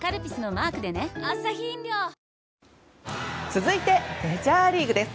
続いてメジャーリーグです。